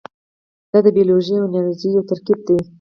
دا د بیولوژي او انجنیری یو ترکیب دی.